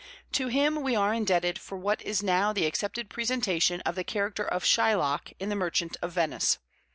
To him we are indebted for what is now the accepted presentation of the character of Shylock in The Merchant of Venice.